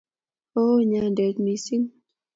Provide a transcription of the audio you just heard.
Ooh nyanjet missing